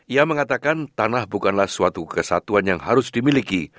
ia mengatakan tanah bukanlah suatu kesatuan yang harus dimiliki